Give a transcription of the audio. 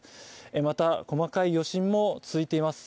また細かい余震も続いています。